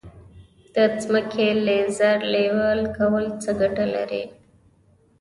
د ځمکې لیزر لیول کول څه ګټه لري؟